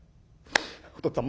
おとっつぁん